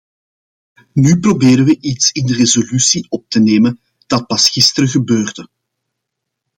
Nu proberen we iets in de resolutie op te nemen dat pas gisteren gebeurde.